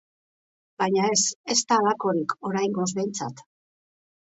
Baina ez, ez da halakorik, oraingoz behintzat.